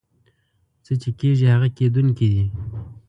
څه چې کېږي هغه کېدونکي دي.